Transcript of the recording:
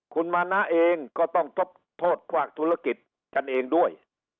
คุณมานะเองก็ต้องทบทธุรกิจกันเองด้วย